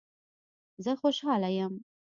زه خوشحاله یم